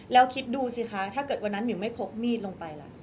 แล้วคิดดูสิคะถ้าเกิดวันนั้นหมิวไม่พกมีดลงไปล่ะ